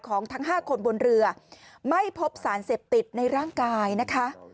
ทั้ง๕คนบนเรือไม่พบสารเสพติดในร่างกายนะคะ